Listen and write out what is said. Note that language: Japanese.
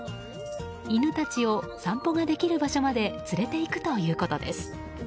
犬たちを散歩ができる場所まで連れていくということです。